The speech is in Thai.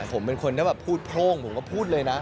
ผมเป็นคนถ้าแบบพูดโพร่งผมก็พูดเลยนะ